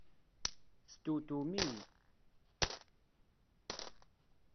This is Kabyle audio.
Testewtwem-iyi!